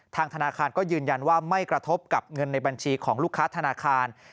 ทางธนาคารก็ยืนยันว่าไม่กระทบกับเงินในบัญชีของลูกค้าธนาคาร